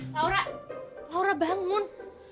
laura laura bangun